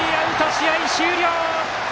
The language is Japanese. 試合終了。